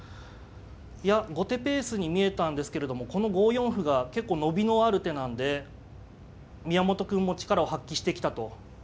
いや後手ペースに見えたんですけれどもこの５四歩が結構伸びのある手なんで宮本くんも力を発揮してきたと。